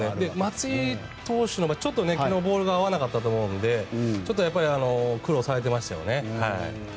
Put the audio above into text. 松井投手の場合ちょっと昨日ボールが合わなかったと思うのでちょっと苦労されてましたよね。